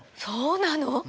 そうなの？